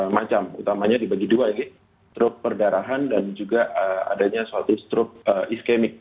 macam utamanya dibagi dua ini struk perdarahan dan juga adanya suatu stroke iskemik